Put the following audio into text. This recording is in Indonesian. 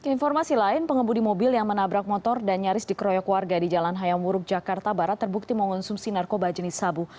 informasi lain pengemudi mobil yang menabrak motor dan nyaris dikeroyok warga di jalan hayamuruk jakarta barat terbukti mengonsumsi narkoba jenis sabu